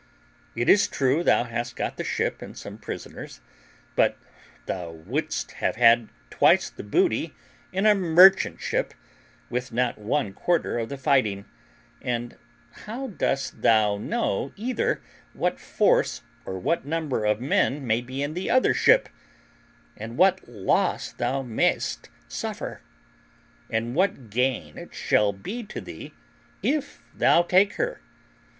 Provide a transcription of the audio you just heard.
It is true thou hast got the ship and some prisoners; but thou wouldest have had twice the booty in a merchant ship, with not one quarter of the fighting; and how dost thou know either what force or what number of men may be in the other ship, and what loss thou mayest suffer, and what gain it shall be to thee if thou take her?